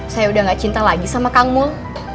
saya udah gak cinta lagi sama kang mul